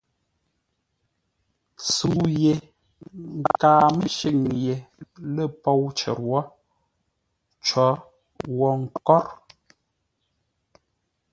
Sə̌u ye nkaa mə́shʉ́ŋ yé lə̂ pôu cər wó, cǒ wo nkór.